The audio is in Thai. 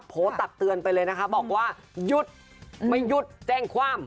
ตักเตือนไปเลยนะคะบอกว่าหยุดไม่หยุดแจ้งความ